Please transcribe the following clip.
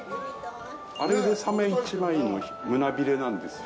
あれでサメ一枚の胸びれなんですよ。